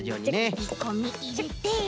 きりこみいれて。